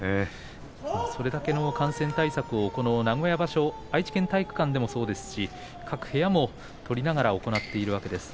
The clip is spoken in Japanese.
それだけの感染対策を愛知県体育館でもそうですし部屋でも取りながら行っているわけです。